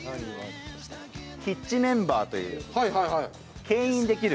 ヒッチメンバーという牽引できる。